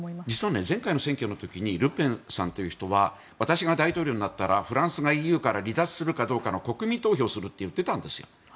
実は前回の選挙の時にルペンさんという人は私が大統領になったらフランスがＥＵから離脱するかどうかの国民投票をすると言っていたんですよ。